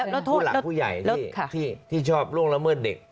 ผู้หลักผู้ใหญ่ที่ชอบล่วงละเมิดเด็ก